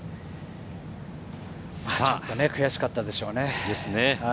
ちょっと悔しかったでしょうね。